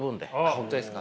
本当ですか。